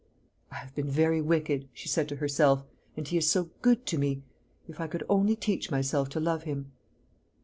"I have been very wicked," she said to herself; "and he is so good to me! If I could only teach myself to love him."